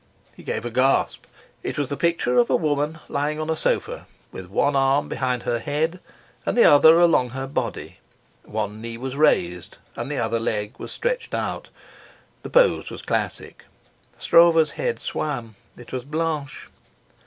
He gave a gasp. It was the picture of a woman lying on a sofa, with one arm beneath her head and the other along her body; one knee was raised, and the other leg was stretched out. The pose was classic. Stroeve's head swam. It was Blanche.